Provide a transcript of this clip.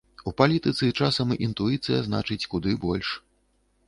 У палітыцы часам інтуіцыя значыць куды больш.